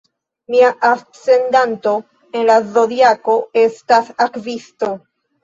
Mia ascendanto en la zodiako estas Akvisto.